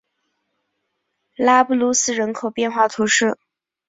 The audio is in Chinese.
拉布鲁斯人口变化图示